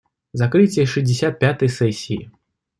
Закрытие шестьдесят пятой сессии.